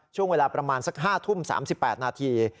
ช่วงเวลาประมาณสัก๕ทุ่ม๓๘นาที